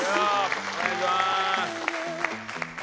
お願いします！